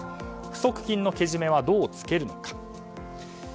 不足金のけじめはどうつけるのか。